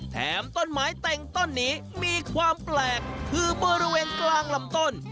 ต้นไม้เต็งต้นนี้มีความแปลกคือบริเวณกลางลำต้น